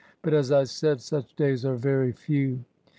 But, as I said, such days are very few.